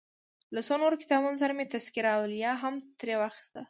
له څو نورو کتابونو سره مې تذکرة الاولیا هم ترې واخیست.